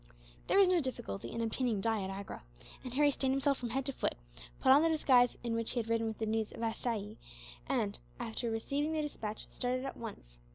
There was no difficulty in obtaining dye at Agra, and Harry stained himself from head to foot, put on the disguise in which he had ridden with the news of Assaye and, after receiving the despatch, started at once.